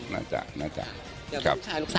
น่าจะน่าจะ